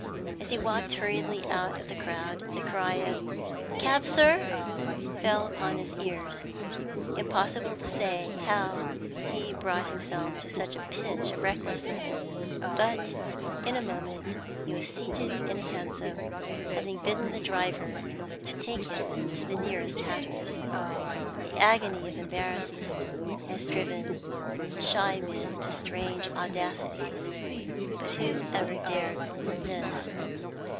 As he walked hurriedly out of the crowd, the cry 'Cab, sir?' fell upon his ears. Impossible to say how he brought himself to such a pitch of recklessness, but in a moment he was seated in a hansom, having bidden the driver take him to the nearest hatter's. The agony of embarrassment has driven shy men to strange audacities, but who ever dared more than this?